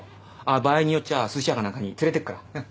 場合によっちゃすし屋か何かに連れてくから。